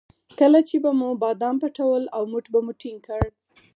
کله چې به مو بادام پټول او موټ به مو ټینګ کړ.